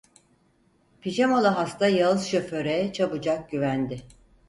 Pijamalı hasta yağız şoföre çabucak güvendi.